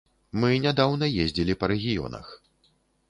Мы нядаўна ездзілі па рэгіёнах.